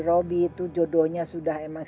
roby itu jodohnya sudah emang